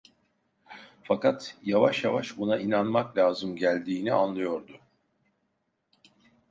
Fakat yavaş yavaş buna inanmak lazım geldiğini anlıyordu.